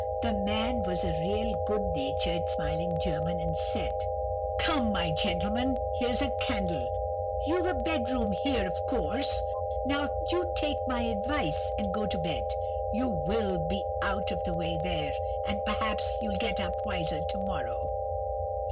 The man was a real good natured, smiling German, and said:— "'Come, young gentleman, here's a candle;—you've a bed room here, of course. Now, you take my advice, and go to bed. You will be out of the way there, and perhaps you'll get up wiser to morrow.